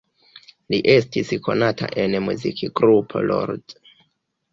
Li estis konata en muzikgrupo "Lord".